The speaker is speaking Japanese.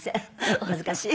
お恥ずかしい。